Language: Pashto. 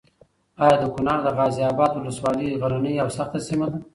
ایا د کونړ د غازي اباد ولسوالي غرنۍ او سخته سیمه ده؟